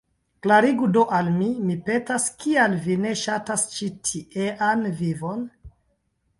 Klarigu do al mi, mi petas, kial vi ne ŝatas ĉi tiean vivon?